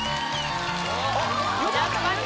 やっぱり。